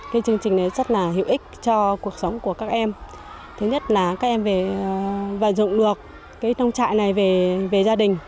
cái chương trình này rất là hữu ích cho cuộc sống của các em thứ nhất là các em về vận dụng được cái nông trại này về gia đình